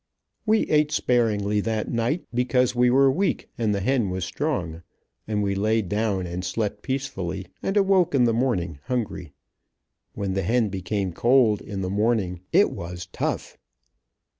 We eat sparingly that night, because we were weak, and the hen was strong, and we laid down and slept peacefully, and awoke in the morning hungry. When the hen became cold, in the morning it was tough.